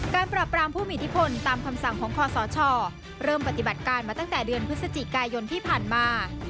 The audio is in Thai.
ปราบรามผู้มีอิทธิพลตามคำสั่งของคอสชเริ่มปฏิบัติการมาตั้งแต่เดือนพฤศจิกายนที่ผ่านมา